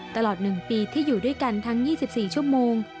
ตลอด๑ปีที่อยู่ด้วยกันทั้ง๒๔ชั่วโมง